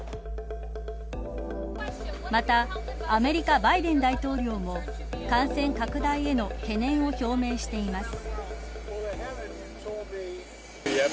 またアメリカ、バイデン大統領も感染拡大への懸念を表明しています。